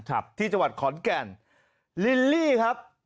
ครับที่จังหวัดขอนแก่นลิลลี่ครับ